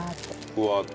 ふわっと。